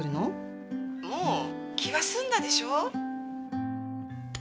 もう気は済んだでしょう。